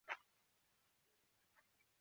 故有说法认为宋太祖早就忌讳韩通。